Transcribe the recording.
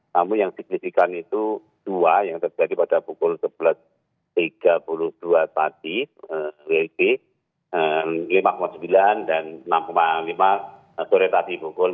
namun yang signifikan itu dua yang terjadi pada pukul sebelas tiga puluh dua tadi wb lima sembilan dan enam lima sore tadi pukul lima belas